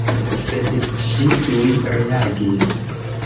Sed ŝi tuj reagis.